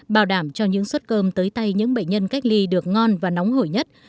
bảo đảm cho những suất cơm tới tay những bệnh nhân cách ly được ngon và nóng hổi nhất